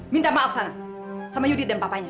minta maaf sana sama yudi dan papanya